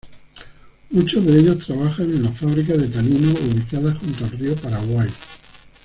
Muchos de ellos trabajan en las fábricas de tanino ubicadas junto al río Paraguay.